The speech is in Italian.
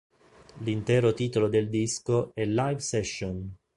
L'intero titolo del disco è "Live Session!